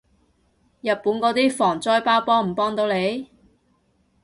日本嗰啲防災包幫唔幫到你？